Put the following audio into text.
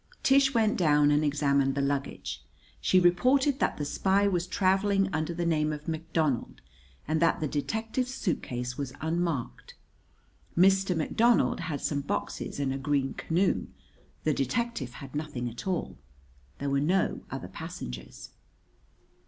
Tish went down and examined the luggage. She reported that the spy was traveling under the name of McDonald and that the detective's suitcase was unmarked. Mr. McDonald had some boxes and a green canoe. The detective had nothing at all. There were no other passengers.